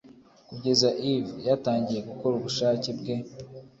Kugeza eve yatangiye gukora ubushake bwe